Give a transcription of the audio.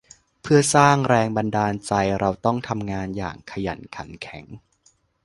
เพื่อสร้างแรงบันดาลใจเราต้องทำงานอย่างขยันขันแข็ง